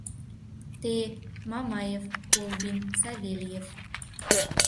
— Те: Мамаев, Колбин, Савельев.